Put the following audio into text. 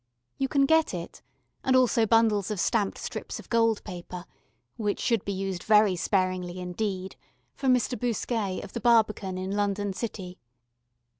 You can get it, and also bundles of stamped strips of gold paper, which should be used very sparingly indeed, from Mr. Bousquet, of the Barbican, in London City.